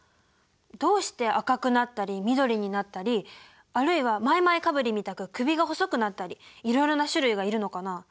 どうして赤くなったり緑になったりあるいはマイマイカブリみたく首が細くなったりいろいろな種類がいるのかな？